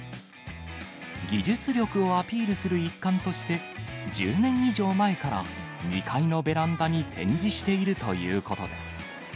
技術力をアピールする一環として、１０年以上前から２階のベランダに展示しているということです。